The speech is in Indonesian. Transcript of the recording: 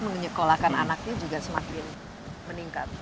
menyekolahkan anaknya juga semakin meningkat